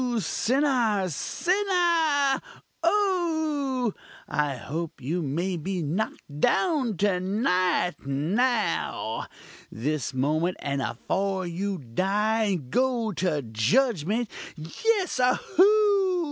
sinner! sinner! oh! I hope you may be knock'd down to night now! this moment and afore you die and go to judgment! Yes! oho!